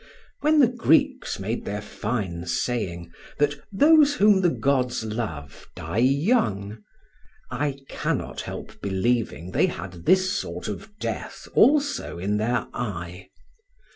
When the Greeks made their fine saying that those whom the gods love die young, I cannot help believing they had this sort of death also in their eye.